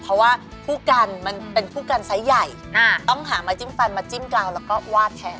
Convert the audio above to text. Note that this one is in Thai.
เพราะว่าคู่กันมันเป็นคู่กันไซส์ใหญ่ต้องหาไม้จิ้มฟันมาจิ้มกลางแล้วก็วาดแชร์